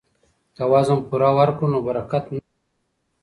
که وزن پوره ورکړو نو برکت نه ځي.